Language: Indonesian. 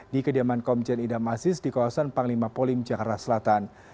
di kediaman komjen idam aziz di kawasan panglima polim jakarta selatan